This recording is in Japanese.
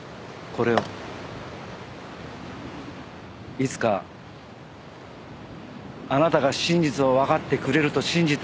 いつかあなたが真実をわかってくれると信じて。